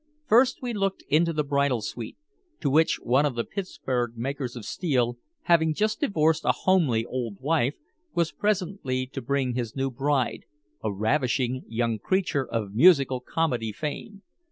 First we looked into the Bridal Suite, to which one of the Pittsburgh makers of steel, having just divorced a homely old wife, was presently to bring his new bride, a ravishing young creature of musical comedy fame.